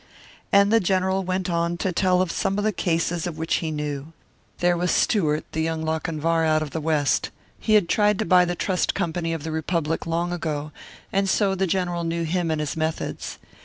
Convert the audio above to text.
And the General went on to tell of some of the cases of which he knew. There was Stewart, the young Lochinvar out of the West. He had tried to buy the Trust Company of the Republic long ago, and so the General knew him and his methods.